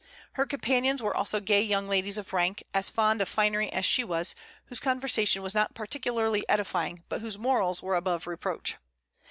Her companions also were gay young ladies of rank, as fond of finery as she was, whose conversation was not particularly edifying, but whose morals were above reproach.